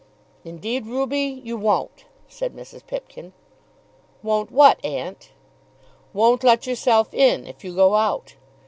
"Indeed, Ruby, you won't," said Mrs. Pipkin. "Won't what, aunt?" "Won't let yourself in, if you go out.